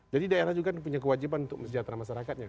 jadi daerah juga punya kewajiban untuk sejahtera masyarakatnya